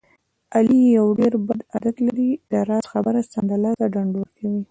علي یو ډېر بد عادت لري. د راز خبره سمدلاسه ډنډوره کوي.